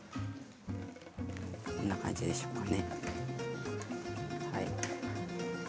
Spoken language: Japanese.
こんな感じでしょうかね。